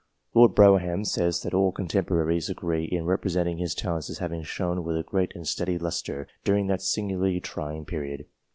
Lord Brougham says that all contemporaries agree in representing his talents as having shone with a great and steady lustre during that singularly trying period.